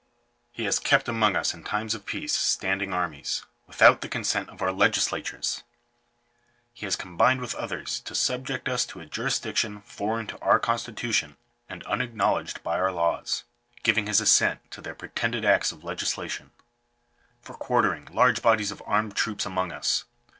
" He has kept among us in times of peace standing armies, without the consent of our legislatures. " He has combined with others to subject us to a jurisdic tion foreign to our constitution and unacknowledged by our laws ; giving his assent to their pretended acts of legislation: —" For quartering large bodies of armed troops among us.